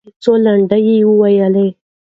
څوک لنډۍ وویلې؟